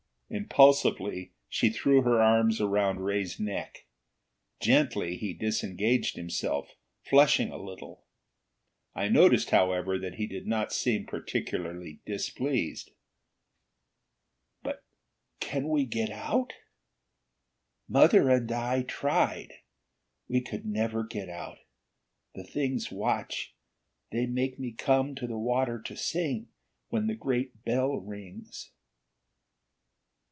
Impulsively, she threw her arms around Ray's neck. Gently, he disengaged himself, flushing a little. I noticed, however, that he did not seem particularly displeased. "But can we get out?" "Mother and I tried. We could never get out. The Things watch. They make me come to the water to sing, when the great bell rings."